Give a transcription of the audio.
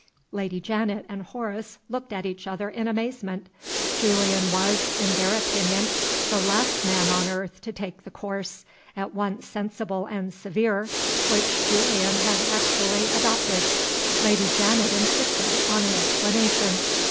Lady Janet and Horace looked at each other in amazement. Julian was, in their opinion, the last man on earth to take the course at once sensible and severe which Julian had actually adopted. Lady Janet insisted on an explanation.